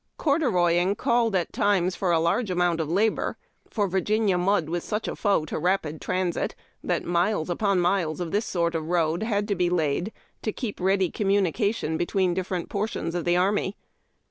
Corduroying called at times for a large amount of labor, for Virginia mud was such a foe to rapid transit that miles upon miles of this sort of road had ARMY ROAD AND B RIDGE BUILDERS. 379 to be laid to keep ready commuiiicatiun between different portions of the army.